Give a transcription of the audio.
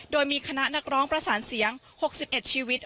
โดยมีคณะนักร้องประสานเสียง๖๑ชีวิต